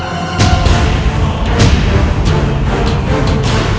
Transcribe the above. terima kasih fortnite